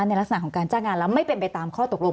ในลักษณะของการจ้างงานแล้วไม่เป็นไปตามข้อตกลง